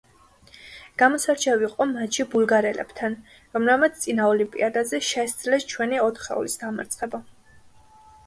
გამოსარჩევი იყო მატჩი ბულგარელებთან, რომლებმაც წინა ოლიმპიადაზე შესძლეს ჩვენი ოთხეულის დამარცხება.